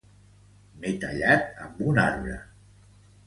M'he tallat amb un arbre.